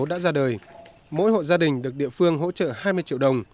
đã ra đời mỗi hộ gia đình được địa phương hỗ trợ hai mươi triệu đồng